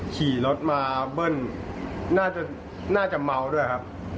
ขี่รถมาเบิ้ลน่าจะเมาด้วยครับ